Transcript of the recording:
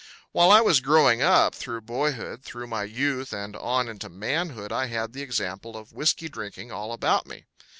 While I was growing up, through boyhood, through my youth and on into manhood, I had the example of whiskey drinking all about me.